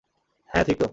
হ্যাঁ, ঠিক তো।